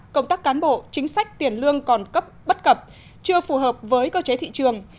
công tác cán bộ chính sách tiền lương còn cấp bất cập chưa phù hợp với cơ chế thị trường